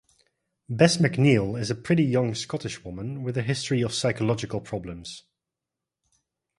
Bess McNeill is a pretty young Scottish woman with a history of psychological problems.